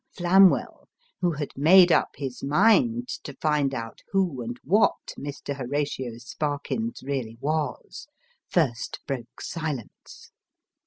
Flamwell, who had made up his mind to find out who and what Mr. Horatio Sparkins really was, first broke silence.